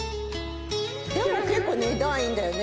でも結構値段いいんだよね